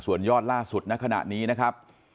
ส่วนยอดล่าสุดณขณะนี้นะครับ